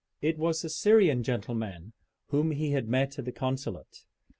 It was the Syrian gentleman whom he had met at the consulate.